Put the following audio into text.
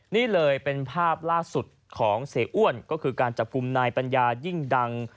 นี่เลยเป็นภาพล่าสุดของเสียอ้วนก็คือการจับกลุ่มนายปัญญายิ่งดัง